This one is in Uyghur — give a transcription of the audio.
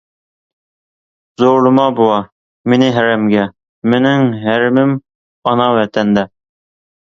زورلىما بوۋا، مېنى ھەرەمگە، مېنىڭ ھەرىمىم ئانا ۋەتەندە!